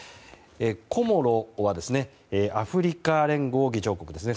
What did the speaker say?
コモロはアフリカ連合議場国ですね。